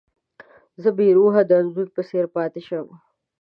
زه بې روحه د انځور په څېر پاتې شم.